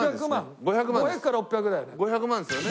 ５００か６００だよね？